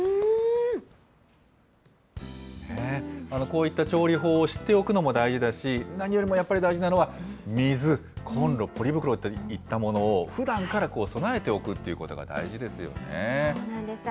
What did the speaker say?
こういった調理法を知っておくのも大事だし、何よりもやっぱり大事なのは、水、こんろ、ポリ袋っていったものを、ふだんから備えておくってことが大事でそうなんです。